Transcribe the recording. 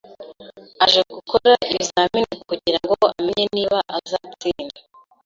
aje gukora ibizamini kugirango amenye niba azatsinda